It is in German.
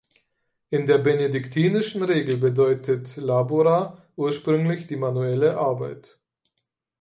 In der benediktinischen Regel bedeutete "labora" ursprünglich die manuelle Arbeit.